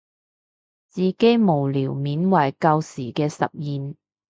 自己無聊緬懷舊時嘅實驗